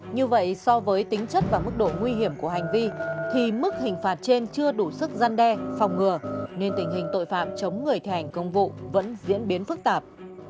như vậy so với tính chất và mức độ nguy hiểm của hành vi thì mức hình phạt trên chưa đủ sức gian đe phòng ngừa nên tình hình tội phạm chống người thi hành công vụ vẫn diễn biến phức tạp